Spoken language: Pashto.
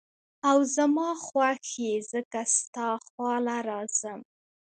او زما خوښ ئې ځکه ستا خواله راځم ـ